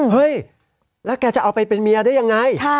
เฮ้ยแล้วแกจะเอาไปเป็นเมียได้ยังไง